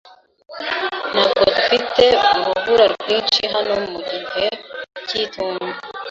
Ntabwo dufite urubura rwinshi hano no mu gihe cy'itumba.